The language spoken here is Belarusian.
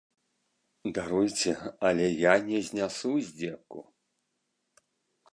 Даруйце, але я не знясу здзеку.